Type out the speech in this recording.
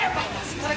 田中。